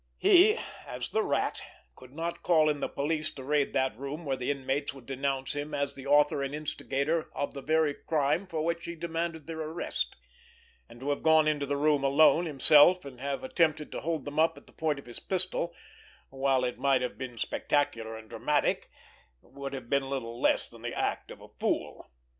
He, as the Rat, could not call in the police to raid that room where the inmates would denounce him as the author and instigator of the very crime for which he demanded their arrest; and to have gone into the room alone himself and have attempted to hold them up at the point of his pistol, while it might have been spectacular and dramatic, would have been little less than the act of a fool.